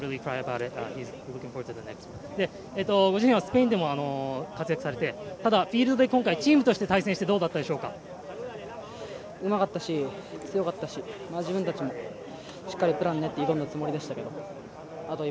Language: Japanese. ご自身はスペインでも活躍されて、ただ、フィールドで今回、チームとして対戦してどうだったうまかったし、強かったし、自分たちもしっかりプラン練って挑んだつもりでしたけど、あと一